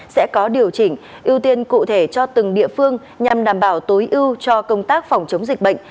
sẽ có điều chỉnh ưu tiên cụ thể cho từng địa phương nhằm đảm bảo tối ưu cho công tác phòng chống dịch bệnh